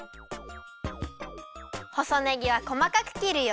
細ねぎはこまかくきるよ。